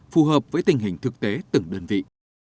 phù hợp với tình hình thực tế từng đơn vị